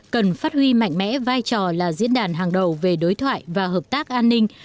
cần phát huy mạnh mẽ vai trò là diễn đàn hàng đầu về đối thoại và hợp tác an ninh